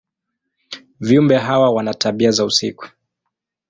Viumbe hawa wana tabia za usiku.